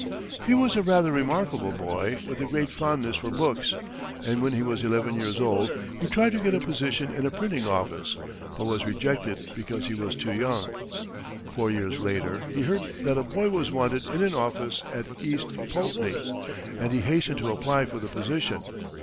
He was a rather remarkable boy, with a great fondness for books, and when he was eleven years old, he tried to get a position in a printing office, but was rejected because he was too young. Four years later, he heard that a boy was wanted in an office at East Poultney, and he hastened to apply for the position.